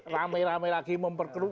rame rame lagi memperkeru